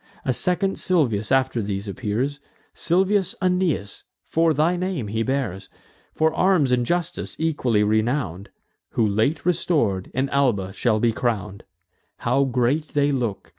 A second Silvius after these appears; Silvius Aeneas, for thy name he bears; For arms and justice equally renown'd, Who, late restor'd, in Alba shall be crown'd. How great they look!